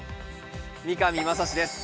三上真史です。